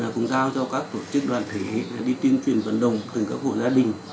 cũng giao cho các tổ chức đoàn thể đi tuyên truyền vận động từng các hộ gia đình